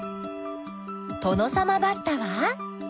トノサマバッタは？